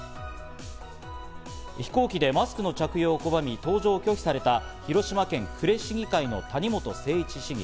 飛行機でマスクの着用を拒み、搭乗を拒否された広島県呉市議会の谷本誠一市議。